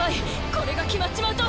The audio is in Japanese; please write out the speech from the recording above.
これが決まっちまうと！